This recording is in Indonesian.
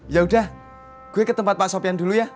ya udah gue ke tempat pak sofian dulu ya